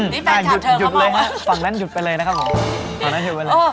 นี่แฟนชอบเธอก็มองนะฮะฟังเล่นหยุดไปเลยนะครับผมเธอถูกมั้ย